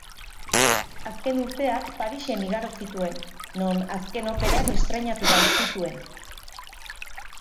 Azken urteak Parisen igaro zituen, non azken operak estreinatu baitzituen.